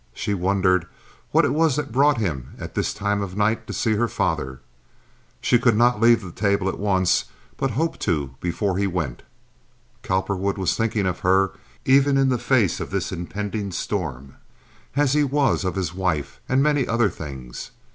She wondered what it was that brought him at this time of night to see her father. She could not leave the table at once, but hoped to before he went. Cowperwood was thinking of her, even in the face of this impending storm, as he was of his wife, and many other things.